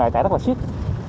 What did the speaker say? mà tại đó là ship